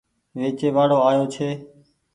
ويچي وآڙو آيو ڇي۔